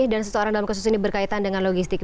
dan seseorang dalam kasus ini berkaitan dengan logistik